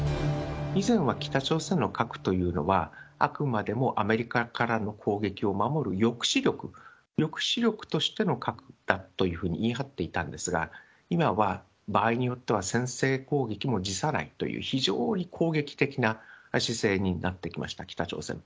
以前は北朝鮮の核というのは、あくまでもアメリカからの攻撃を守る抑止力としての核だというふうに言い張っていたんですが、今は場合によっては、先制攻撃も辞さないという、非常に攻撃的な姿勢になってきました、北朝鮮。